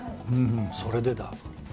それでだ。